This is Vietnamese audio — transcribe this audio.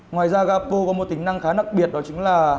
ngoài ra gapo có một tính năng khá đặc biệt đó chính là